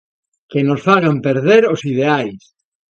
Que nos fagan perder os ideais